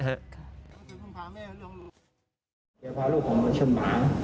พาลูกของฉันมาก็ไม่ได้พาไปหาหมอหัวแตะเย็บหลายเข็ม